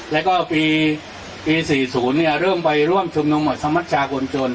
และก็ปี๔๐เนี่ยเริ่มไปร่วมชุมนมสมัชชาคนจน